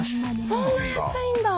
そんな安いんだ！